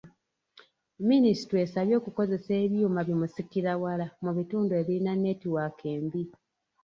Minisitule esabye okukozesa ebyuma bimusikirawala mu bitundu ebirina neetiwaaka embi.